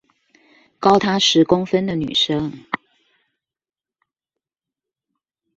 高他十公分的女生